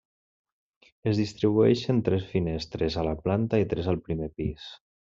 Es distribueixen tres finestres a la planta i tres al primer pis.